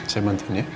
saya bantu ya